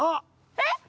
えっ！